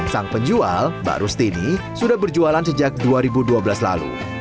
sang penjual mbak rustini sudah berjualan sejak dua ribu dua belas lalu